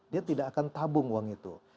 dia tidak akan tabung uang itu